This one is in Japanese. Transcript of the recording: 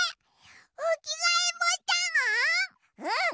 うん！